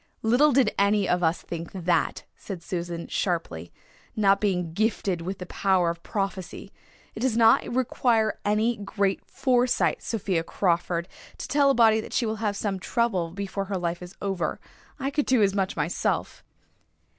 "Little did any of us think that," said Susan sharply, "not being gifted with the power of prophecy. It does not require any great foresight, Sophia Crawford, to tell a body that she will have some trouble before her life is over. I could do as much myself."